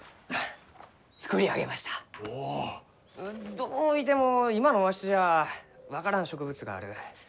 どういても今のわしじゃ分からん植物がある。